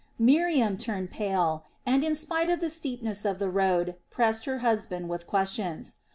Miriam turned pale and, in spite of the steepness of the road, pressed her husband with questions.